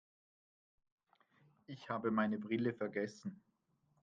Ich habe meine Brille vergessen.